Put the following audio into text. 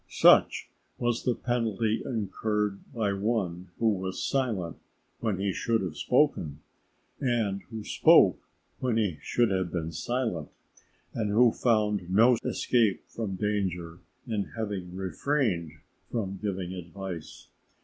Such was the penalty incurred by one who was silent when he should have spoken, and who spoke when he should have been silent; and who found no escape from danger in having refrained from giving advice.